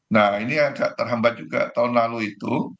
nah ini agak terhambat juga tahun lalu itu